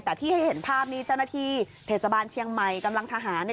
แต่ที่ให้เห็นภาพนี้เจ้าหน้าที่เทศบาลเชียงใหม่กำลังทหารเนี่ย